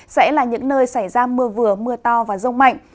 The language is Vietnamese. sẽ là những nơi xảy ra mưa vừa mưa to và rông mạnh